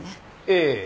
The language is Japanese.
ええ。